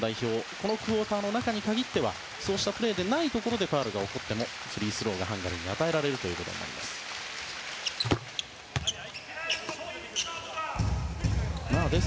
このクオーターの中に限ってはそうしたプレーでないところでファウルが起こってもフリースローがハンガリーに与えられます。